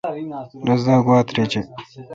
رس دا گوا ترجہ ۔